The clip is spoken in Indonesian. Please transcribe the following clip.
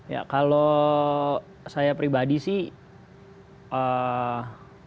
ya kalau saya pribadi sih